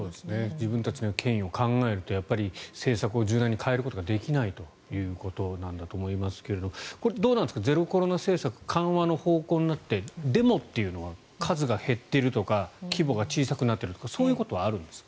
自分たちの権威を考えると政策を柔軟に変えることができないということなんだと思いますがどうなんですか、ゼロコロナ政策緩和の方向になってデモっていうのは数が減っているとか規模が小さくなってるとかそういうことはあるんですか？